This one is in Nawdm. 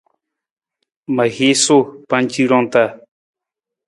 Ma hiisu pancirang ta.